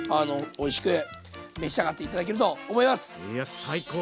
おいしく召し上がって頂けると思います。